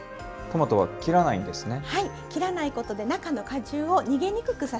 切らないことで中の果汁を逃げにくくさせます。